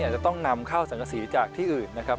จะต้องนำเข้าสังกษีจากที่อื่นนะครับ